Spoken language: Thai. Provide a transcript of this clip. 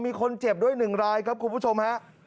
มีคนเจ็บด้วย๑รายครับคุณผู้ชมฮะ